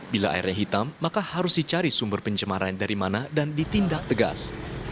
bila airnya hitam maka harus dicari sumber pencemaran dari mana dan ditindak tegas